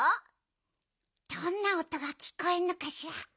どんなおとがきこえるのかしら。